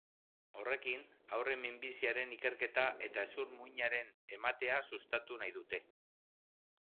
Horrekin, haurren minbiziaren ikerketa eta hezur-muinaren ematea sustatu nahi dute.